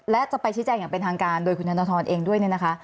และจะไปชี้แจงอย่างเป็นทางการโดยคุณธนทรเองด้วยเนี่ยนะคะ